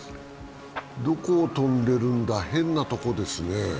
どこを飛んでいるんだ、変なところですね。